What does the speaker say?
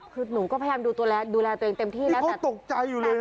คือหนูก็พยายามดูแลตัวเองเต็มที่แล้วที่เขาตกใจอยู่เลยนะนี่